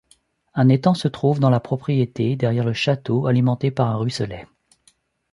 Un étang se trouve dans la propriété, derrière le château, alimenté par un ruisselet.